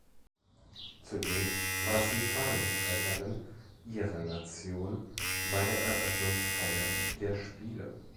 Zudem war sie Fahnenträgerin ihrer Nation bei der Eröffnungsfeier der Spiele.